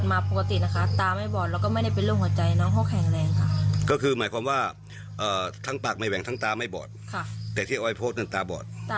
ใครทำอะไรปากถึงเป็นแบบนั้นครับฟังน้องฟิล์มหน่อยครับ